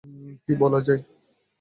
কি বলা যায়?